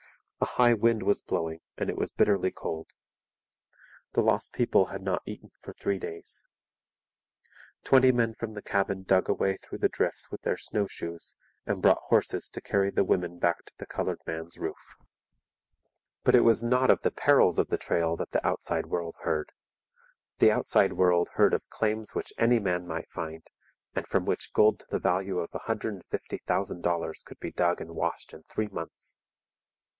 A high wind was blowing and it was bitterly cold. The lost people had not eaten for three days. Twenty men from the cabin dug a way through the drifts with their snowshoes and brought horses to carry the women back to the coloured man's roof. But it was not of the perils of the trail that the outside world heard. The outside world heard of claims which any man might find and from which gold to the value of a hundred and fifty thousand dollars could be dug and washed in three months.